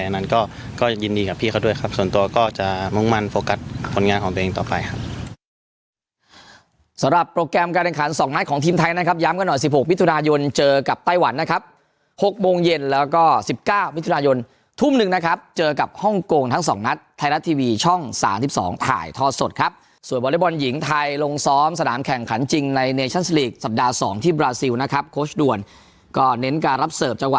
นั้นก็ยินดีกับพี่เขาด้วยครับส่วนตัวก็จะมุ่งมั่นโฟกัสผลงานของตัวเองต่อไปครับ